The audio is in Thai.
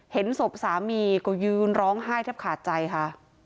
เห็นศพสามีก็ยืนร้องไห้แทบขาดใจค่ะ